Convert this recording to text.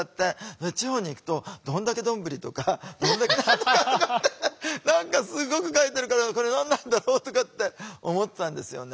で地方に行くと「どんだけ丼」とか「どんだけ何とか」とかって何かすごく書いてるから「これ何なんだろう」とかって思ってたんですよね。